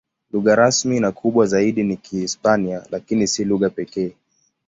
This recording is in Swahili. Lugha rasmi na kubwa zaidi ni Kihispania, lakini si lugha pekee.